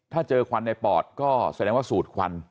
ถ้าเจอควันในปอดก็แสดงว่าสูดควัน